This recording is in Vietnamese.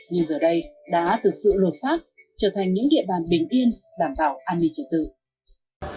nhưng giờ đây đã thực sự lột xác trở thành những địa bàn bình yên đảm bảo an ninh trật tự